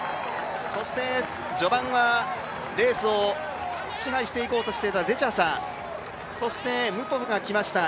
そして序盤はレースを支配していこうとしていたデチャサそしてムポフが来ました。